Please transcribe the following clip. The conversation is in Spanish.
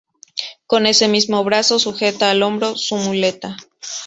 Con ese mismo brazo sujeta al hombro su muleta.